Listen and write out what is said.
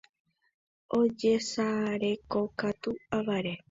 Ojesarekokatu aváre.